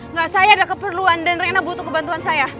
nggak saya ada keperluan dan reina butuh kebantuan saya